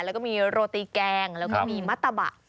แล้วก็มีโรตีแกงแล้วก็มีมัตตะบะ